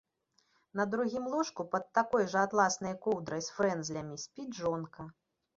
На другім ложку пад такой жа атласнай коўдрай з фрэнзлямі спіць жонка.